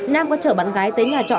nam có chở bạn gái tới nhà trọ